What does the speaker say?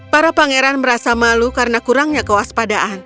para pangeran merasa malu karena kurangnya kewaspadaan